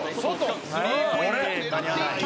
スリーポイント、狙っていった！